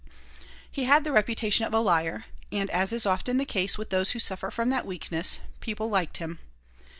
He had the reputation of a liar, and, as is often the case with those who suffer from that weakness, people liked him.